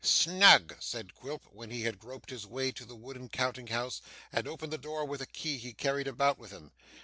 'Snug!' said Quilp, when he had groped his way to the wooden counting house, and opened the door with a key he carried about with him.